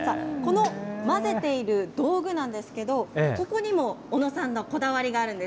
さあ、この混ぜている道具なんですけど、ここにも小野さんのこだわりがあるんです。